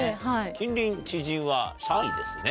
近隣知人は３位ですね。